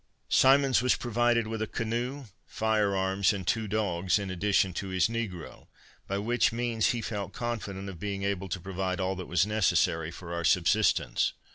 Symonds was provided with a canoe, fire arms and two dogs, in addition to his negro, by which means he felt confident of being able to provide all that was necessary for our subsistence.